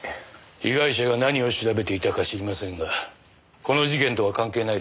被害者が何を調べていたか知りませんがこの事件とは関係ないでしょう。